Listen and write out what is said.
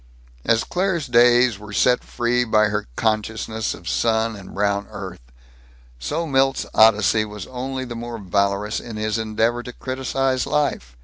As Claire's days were set free by her consciousness of sun and brown earth, so Milt's odyssey was only the more valorous in his endeavor to criticize life.